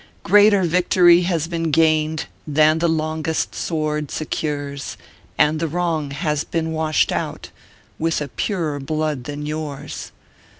" Greater victory has been gained Than the longest sword secures, And the Wrong has been washed out With a purer blood than yours."